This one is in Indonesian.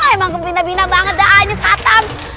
emang gembina bina banget dah ini satam